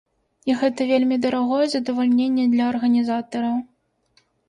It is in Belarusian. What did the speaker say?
І гэта вельмі дарагое задавальненне для арганізатараў.